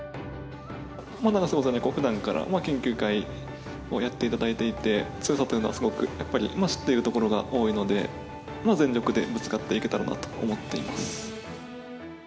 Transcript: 永瀬王座にふだんから、研究会をやっていただいていて、強さというのは、やっぱり知っているところが多いので、全力でぶつかっていけたらなと思っています。